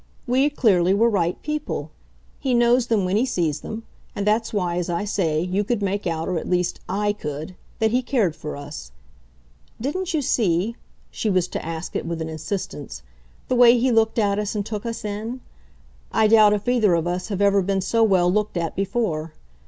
We, clearly, were right people he knows them when he sees them; and that's why, as I say, you could make out, or at least I could, that he cared for us. Didn't you see" she was to ask it with an insistence "the way he looked at us and took us in? I doubt if either of us have ever been so well looked at before.